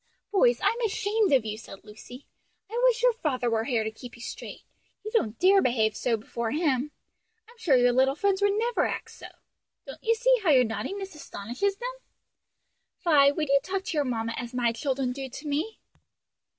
"Boys, I'm ashamed of you!" said Lucy, "I wish your father were here to keep you straight. You don't dare behave so before him. I'm sure your little friends would never act so. Don't you see how your naughtiness astonishes them? Vi, would you talk to your mamma as my children do to me?"